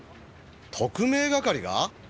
特命係が？